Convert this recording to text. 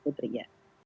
mbak putri ya